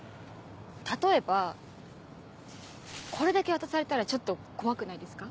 例えばこれだけ渡されたらちょっと怖くないですか？